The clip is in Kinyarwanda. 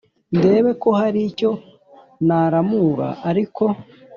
ndebe ko hari icyo naramura Ariko